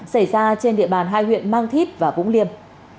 xảy ra trên địa bàn hai huyện mang thít và vũng liêm